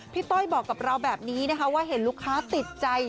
ต้อยบอกกับเราแบบนี้นะคะว่าเห็นลูกค้าติดใจ